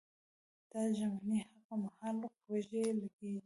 دا ژمنې هغه مهال خوږې لګېږي.